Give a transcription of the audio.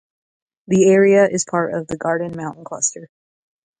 The area is part of the "Garden Mountain Cluster".